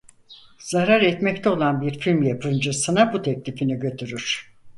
Zarar etmekte olan bir film yapımcısına bu teklifini götürür.